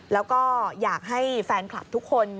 แล้วก็อยากให้แฟนคลับทุกคน